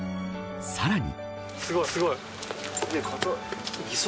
さらに。